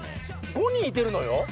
５人いてるのよ。